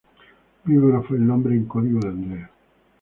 Víbora fue el nombre en código de Andrea.